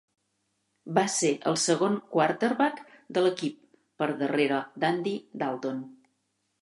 Va ser el segon quarterback de l'equip per darrere d'Andy Dalton.